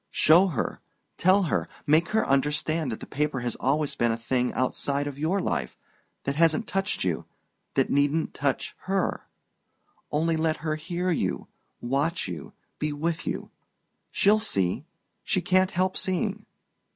"Show her tell her make her understand that the paper has always been a thing outside your life that hasn't touched you that needn't touch her. Only, let her hear you watch you be with you she'll see...she can't help seeing..."